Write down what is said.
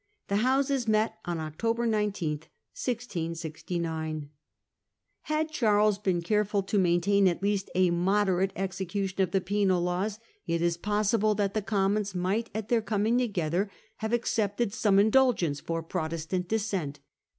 The Houses met on October 19, 1669. Had Charles been careful to maintain at least a moderate execution of the penal laws, it is possible that the Commons might at their coming together have accepted some indulgence for Protestant Dissent.